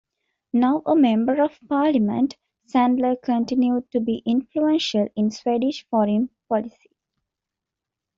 Now a Member of Parliament, Sandler continued to be influential in Swedish foreign policy.